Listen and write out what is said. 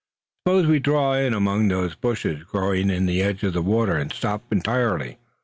"Suppose we draw in among those bushes growing in the edge of the water and stop entirely."